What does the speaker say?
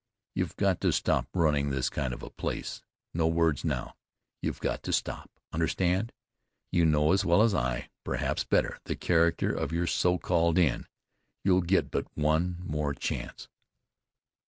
You've got to stop running this kind of a place. No words, now, you've got to stop. Understand? You know as well as I, perhaps better, the character of your so called inn. You'll get but one more chance."